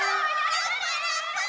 ラッパラッパ！